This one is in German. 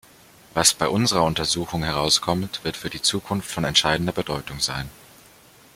Was bei unserer Untersuchung herauskommt, wird für die Zukunft von entscheidender Bedeutung sein.